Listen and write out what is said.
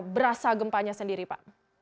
berasa gempanya sendiri pak